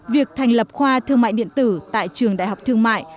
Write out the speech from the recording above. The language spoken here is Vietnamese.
việc thành lập khoa thương mại điện tử tại trường đại học thương mại